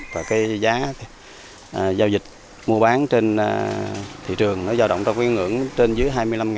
và cái giá giao dịch mua bán trên thị trường nó giao động trong cái ngưỡng trên dưới hai mươi năm